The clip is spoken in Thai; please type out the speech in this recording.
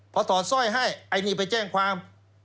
พอถอดสร้อยให้ไอ้นี่ไปแจ้งความ